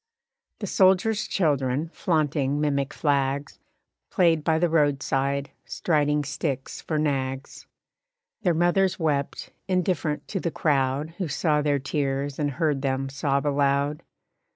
The soldier's children, flaunting mimic flags, Played by the roadside, striding sticks for nags. Their mothers wept, indifferent to the crowd Who saw their tears and heard them sob aloud.